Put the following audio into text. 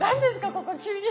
ここ急に。